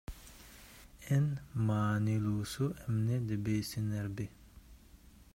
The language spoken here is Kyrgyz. Эң маанилүүсү эмне дебейсиңерби?